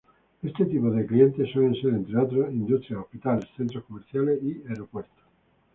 Este tipo de clientes suelen ser, entre otros: Industrias, hospitales, centros comerciales y aeropuertos.